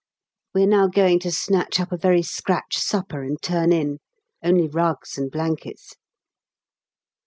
We are now going to snatch up a very scratch supper and turn in, only rugs and blankets.